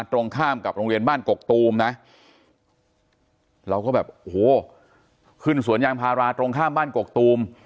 ตรงข้ามกับโรงเรียนบ้านกกตูมนะเราก็แบบโอ้โหขึ้นสวนยางพาราตรงข้ามบ้านกกตูม